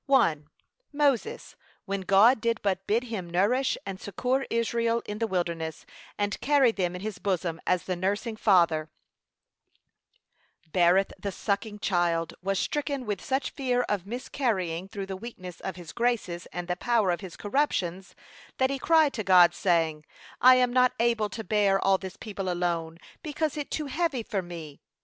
(1.) Moses, when God did but bid him nourish and succour Israel in the wilderness, and carry them in his bosom, as the nursing father beareth the sucking child, was stricken with such fear of miscarrying, through the weakness of his graces and the power of his corruptions, that he cried to God, saying, 'I am not able to bear all this people alone, because it too heavy for me.